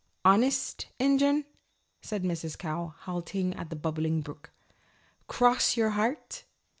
"Honest Injun?" said Mrs. Cow, halting at the Bubbling Brook. "Cross your heart?"